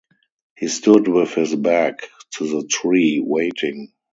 He stood with his back to the tree, waiting.